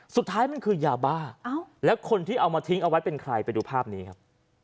สุดท้ายมันคือยาบ้าแล้วคนที่เอามาทิ้งเอาไว้เป็นใครไปดูภาพนี้ครับ